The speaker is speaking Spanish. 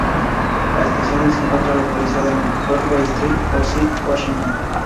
La estación se encuentra localizada en Broadway Street en Seattle, Washington.